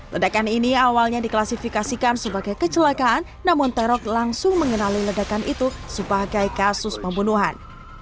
ledakan ini awalnya diklasifikasikan sebagai kecelakaan namun terok langsung mengenali ledakan itu sebagai kasus pembunuhan